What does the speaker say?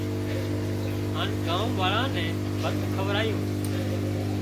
هانَ ڳام واۯان نين ڀت کارايُون